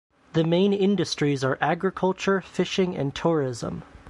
The main industries are agriculture, fishing and tourism.